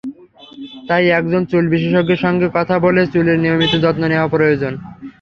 তাই একজন চুল বিশেষজ্ঞের সঙ্গে কথা বলে চুলের নিয়মিত যত্ন নেওয়া প্রয়োজন।